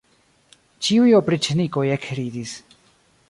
Ĉiuj opriĉnikoj ekridis.